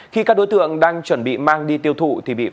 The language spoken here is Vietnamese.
khi các đối tượng đang chuẩn bị mang đi tiêu thụ